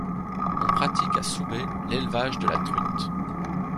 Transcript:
On pratique à Soubey l'élevage de la truite.